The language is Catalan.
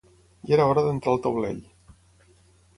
Ja era hora d'entrar al taulell.